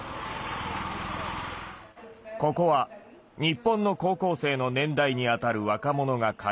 ここは日本の高校生の年代にあたる若者が通う学校。